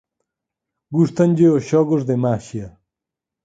Gústanlle os xogos de maxia.